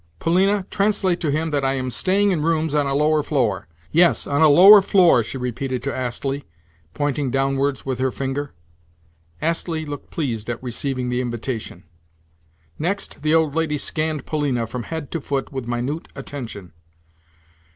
Polina, translate to him that I am staying in rooms on a lower floor. Yes, on a lower floor," she repeated to Astley, pointing downwards with her finger. Astley looked pleased at receiving the invitation. Next, the old lady scanned Polina, from head to foot with minute attention.